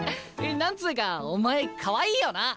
何つうかお前かわいいよな。